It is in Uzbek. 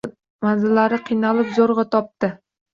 Manzilni qiynalib zoʻrgʻa topdi.